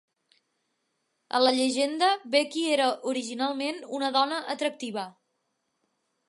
A la llegenda, Bheki era originalment una dona atractiva.